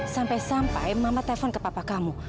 sampai sampai mama telepon ke papa kamu